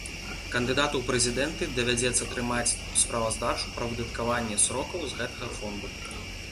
Кандыдату ў прэзідэнты давядзецца трымаць справаздачу пра выдаткаванне сродкаў з гэтага фонду.